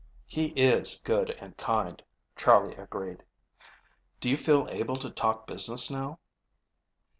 "He is good and kind," Charley agreed. "Do you feel able to talk business now?"